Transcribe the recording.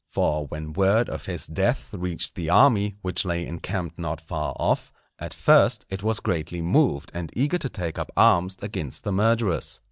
For when word of his death reached the army, which lay encamped not far off, at first it was greatly moved, and eager to take up arms against the murderers.